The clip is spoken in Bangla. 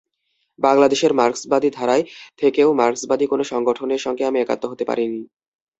বাংলাদেশের মার্ক্সবাদী ধারায় থেকেও মার্ক্সবাদী কোনো সংগঠনের সঙ্গে আমি একাত্ম হতে পারিনি।